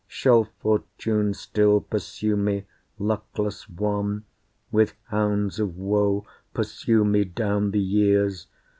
Shall Fortune still pursue me, luckless one, With hounds of woe pursue me down the years?